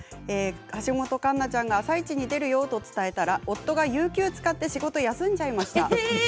橋本環奈ちゃんが「あさイチ」に出るよと伝えたら夫が有休を使って仕事を休んじゃいました。